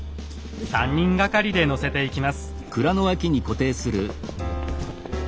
３人がかりで載せていきます。